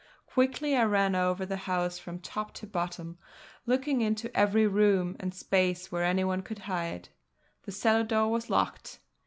Quickly I ran over the house from top to bottom, looking into every room and space where anyone could hide. The cellar door was locked.